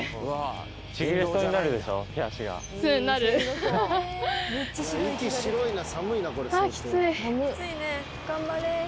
はい！